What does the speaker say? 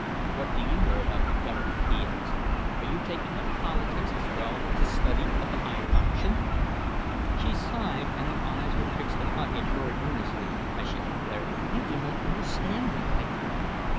"What do you know about the Government?" he asked. "Are you taking up politics as well as the study of the higher auction?" She sighed, and her eyes were fixed upon him very earnestly, as she declared: "You do not understand me, my friend.